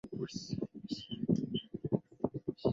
马主为王永强。